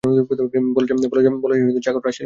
বেলা হয়, চাকররা আসিল না।